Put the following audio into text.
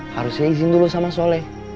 harusnya izin dulu sama soleh